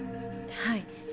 はい。